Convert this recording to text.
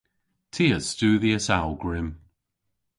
Ty a studhyas awgwrym.